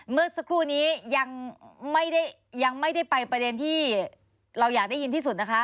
เมื่อสักครู่นี้ยังไม่ได้ยังไม่ได้ไปประเด็นที่เราอยากได้ยินที่สุดนะคะ